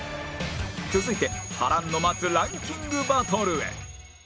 続いて波乱の待つランキングバトルへ